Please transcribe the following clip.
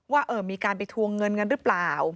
ว่ามีการไปทวงเงินกันหรือเปล่า